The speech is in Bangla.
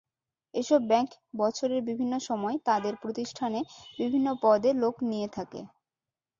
এসব ব্যাংক বছরের বিভিন্ন সময় তাঁদের প্রতিষ্ঠানে বিভিন্ন পদে লোক নিয়ে থাকে।